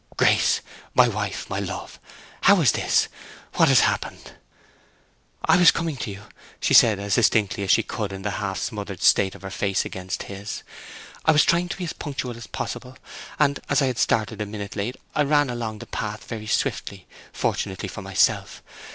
"Grace, my wife, my love, how is this—what has happened?" "I was coming on to you," she said as distinctly as she could in the half smothered state of her face against his. "I was trying to be as punctual as possible, and as I had started a minute late I ran along the path very swiftly—fortunately for myself.